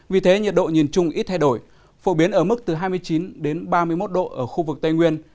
vì thế nhiệt độ nhìn chung ít thay đổi phổ biến ở mức từ hai mươi chín ba mươi một độ ở khu vực tây nguyên